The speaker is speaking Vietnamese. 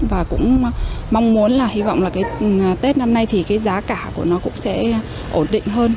và cũng mong muốn là hy vọng là cái tết năm nay thì cái giá cả của nó cũng sẽ ổn định hơn